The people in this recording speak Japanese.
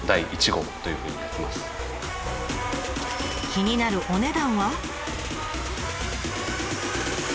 気になるお値段は。